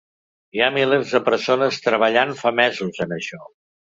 Hi ha milers de persones treballant fa mesos en això.